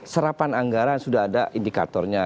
serapan anggaran sudah ada indikatornya